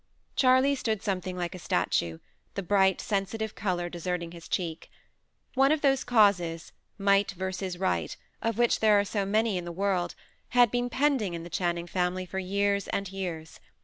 Charles stood something like a statue, the bright, sensitive colour deserting his cheek. One of those causes, Might versus Right, of which there are so many in the world, had been pending in the Channing family for years and years.